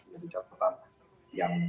menjadi catatan yang